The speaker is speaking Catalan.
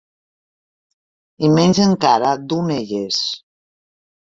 I menys encara d'un elles.